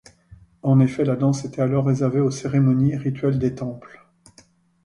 En effet, la danse était alors réservée aux cérémonies rituelles des temples.